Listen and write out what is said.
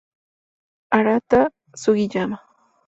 Arata Sugiyama